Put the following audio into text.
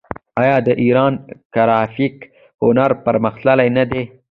آیا د ایران ګرافیک هنر پرمختللی نه دی؟